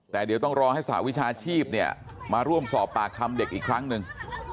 แต่เดี๋ยวต้องรอให้สหวิชาชีพเนี่ยมาร่วมสอบปากคำเด็กอีกครั้งหนึ่ง